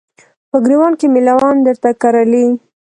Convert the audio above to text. په ګریوان کې مې لونګ درته کرلي